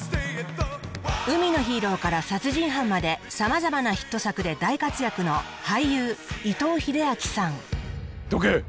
海のヒーローから殺人犯までさまざまなヒット作で大活躍の俳優伊藤英明さんどけ！